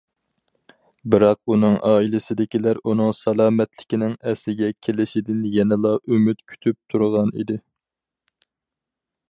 بىراق ئۇنىڭ ئائىلىسىدىكىلەر ئۇنىڭ سالامەتلىكىنىڭ ئەسلىگە كېلىشىدىن يەنىلا ئۈمىد كۈتۈپ تۇرغان ئىدى.